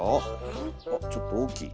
あちょっと大きい。